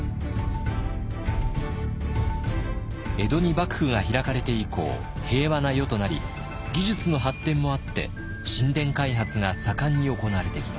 江戸に幕府が開かれて以降平和な世となり技術の発展もあって新田開発が盛んに行われてきました。